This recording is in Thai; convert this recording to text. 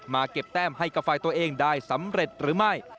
เก็บแต้มให้กับฝ่ายตัวเองได้สำเร็จหรือไม่